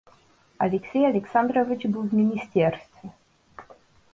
Алексей Александрович был в министерстве.